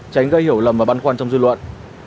tránh gây hiểu lầm và băn khoăn trong dư luận